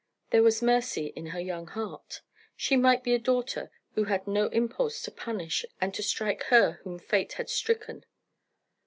There was mercy in her young heart; she might be a daughter who had no impulse to punish and to strike her whom fate had stricken.